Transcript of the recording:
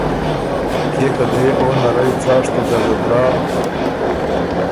کيې که دۀ يې او نرئ څاشتُو ګزه دراغ